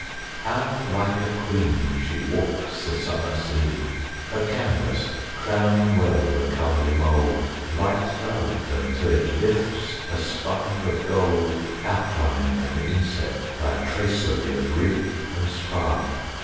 How like a queen she walks the summer sea; Her canvas crowning well the comely mold Light loved until it lifts a spire of gold Outlined and inset by a tracery Of rig and spar.